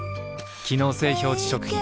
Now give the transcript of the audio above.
機能性表示食品